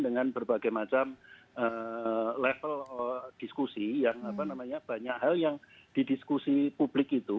dengan berbagai macam level diskusi yang apa namanya banyak hal yang didiskusi publik itu